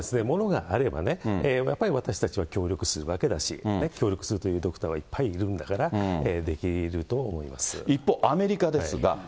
物があればね、やっぱり私たちは協力するわけだし、協力するというドクターはいっぱいいるんだから、できると思いま一方、アメリカですが。